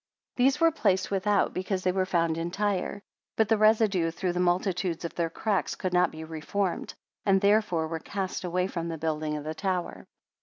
67 These were placed without because they were found entire; but the residue through the multitude of their cracks could not be reformed, and therefore were cast away from the building of the tower.